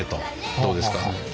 どうですか？